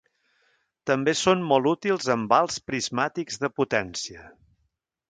També són molt útils amb alts prismàtics de potència.